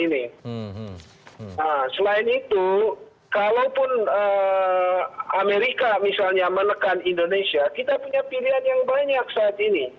nah selain itu kalaupun amerika misalnya menekan indonesia kita punya pilihan yang banyak saat ini